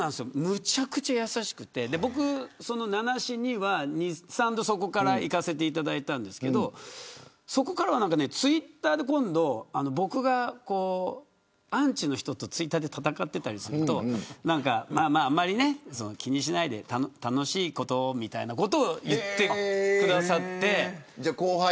めちゃくちゃ優しくてぼく、その名なしには２、３度、そこから行かせていただいたんですけどそこからはツイッターで僕がアンチの人と戦っていたりするとあまり気にしないで楽しいことをみたいなことを言ってくださって。